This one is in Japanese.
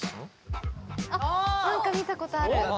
あっ何か見たことあるなああっ！